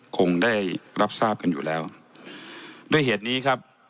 คงได้รับทราบกันอยู่แล้วด้วยเหตุนี้ครับ